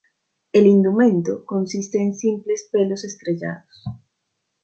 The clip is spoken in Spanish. El indumento consiste en simples pelos estrellados.